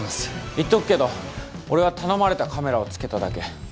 言っとくけど俺は頼まれたカメラを付けただけ。